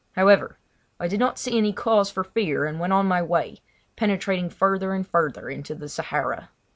However, I did not see any cause for fear, and went on my way, penetrating further and further into the Sahara.